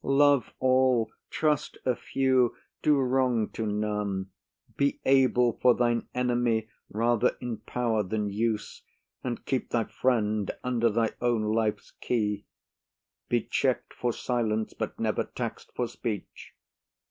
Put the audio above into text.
Love all, trust a few, Do wrong to none. Be able for thine enemy Rather in power than use; and keep thy friend Under thy own life's key. Be check'd for silence, But never tax'd for speech.